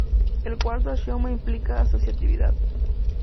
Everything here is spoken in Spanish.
El cuarto axioma implica asociatividad.